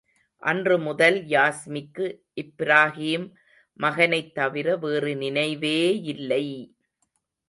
அன்று முதல் யாஸ்மிக்கு, இப்ராஹீம் மகனைத் தவிர வேறு நினைவேயில்லை!